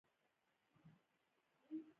څنګه کولی شم په فوټوشاپ کار وکړم